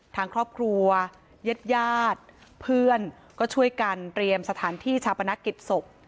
ทางครอบครัวญาติญาติเพื่อนก็ช่วยกันเตรียมสถานที่ชาปนกิจศพ